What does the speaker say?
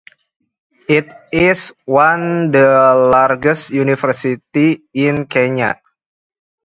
It is one of the largest universities in Kenya.